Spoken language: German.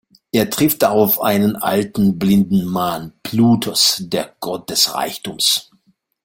Er trifft auf einen alten, blinden Mann: Plutos, der Gott des Reichtums.